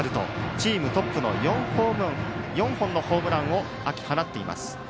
チームトップ４本のホームランを秋に放っています。